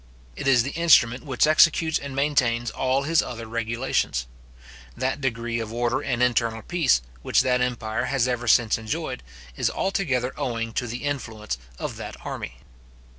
It is the instrument which executes and maintains all his other regulations. That degree of order and internal peace, which that empire has ever since enjoyed, is altogether owing to the influence of that army.